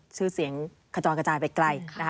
ชื่อเสียงขจรกระจายไปไกลนะคะ